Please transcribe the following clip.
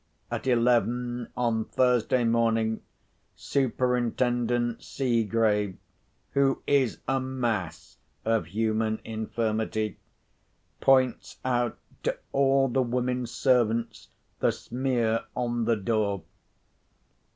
At eleven, on Thursday morning, Superintendent Seegrave (who is a mass of human infirmity) points out to all the women servants the smear on the door.